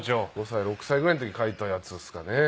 ５歳６歳ぐらいの時に書いたやつですかね。